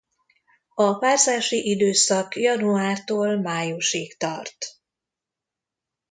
A párzási időszak januártól májusig tart.